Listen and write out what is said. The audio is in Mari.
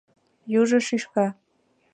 Южо шӱшка.